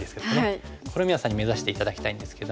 これ皆さんに目指して頂きたいんですけども。